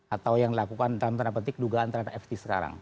atau yang dilakukan dalam tanda petik dugaan terhadap ft sekarang